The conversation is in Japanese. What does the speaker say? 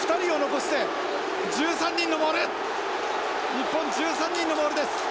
日本１３人のモールです。